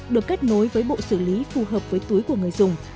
được kết nối với bộ xử lý phù hợp với túi của người dùng